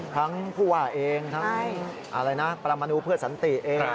ทั้งผู้ว่าเองทั้งปรมาณูเพื่อสันติเอง